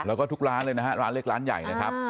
แล้วก็ทุกร้านเลยนะฮะร้านเล็กร้านใหญ่นะครับ